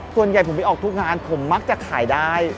ส่วนใหญ่ผมไปออกทุกงานผมมักจะขายได้